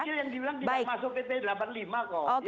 kecil yang dibilang tidak masuk pp delapan puluh lima kok